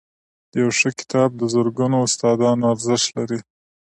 • یو ښه کتاب د زرګونو استادانو ارزښت لري.